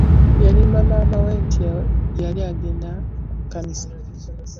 Yalimba maama we nti yali agenda ku kkanisa.